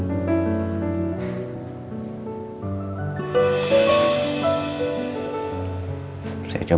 agus aku ngerti ajacor